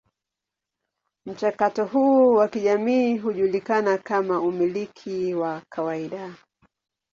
Mchakato huu wa kijamii hujulikana kama umiliki wa kawaida.